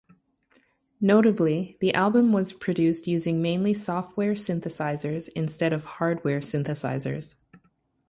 Notably, the album was produced using mainly software synthesizers instead of hardware synthesizers.